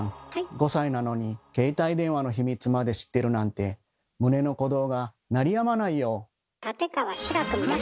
５歳なのに携帯電話の秘密まで知ってるなんて立川志らくみたいな顔なのね。